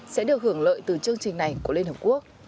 sẽ được hưởng lợi từ chương trình này của liên hợp quốc